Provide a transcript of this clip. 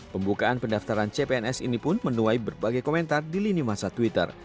pembukaan pendaftaran cpns ini pun menuai berbagai komentar di lini masa twitter